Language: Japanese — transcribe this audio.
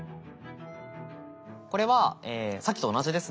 これはえさっきと同じですね。